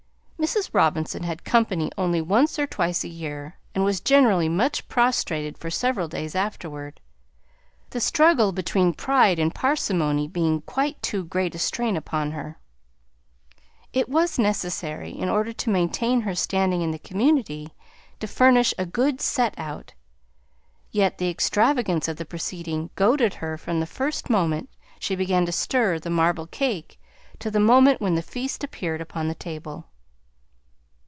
Mrs. Robinson had company only once or twice a year, and was generally much prostrated for several days afterward, the struggle between pride and parsimony being quite too great a strain upon her. It was necessary, in order to maintain her standing in the community, to furnish a good "set out," yet the extravagance of the proceeding goaded her from the first moment she began to stir the marble cake to the moment when the feast appeared upon the table.